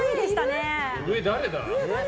上、誰だ？